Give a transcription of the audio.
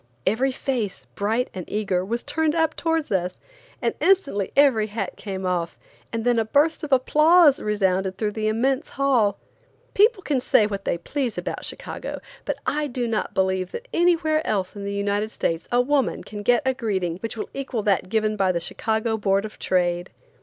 Every face, bright and eager, was turned up towards us, instantly every hat came off, and then a burst of applause resounded through the immense hall. People can say what they please about Chicago, but I do not believe that anywhere else in the United States a woman can get a greeting which will equal that given by the Chicago Board of Trade.